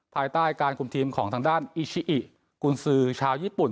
ภายใต้การคุมทีมของทางด้านอิชิอิกุญสือชาวญี่ปุ่น